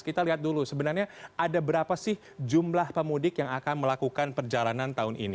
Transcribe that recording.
kita lihat dulu sebenarnya ada berapa sih jumlah pemudik yang akan melakukan perjalanan tahun ini